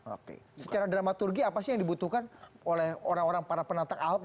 oke secara dramaturgi apa sih yang dibutuhkan oleh orang orang para penantang ahok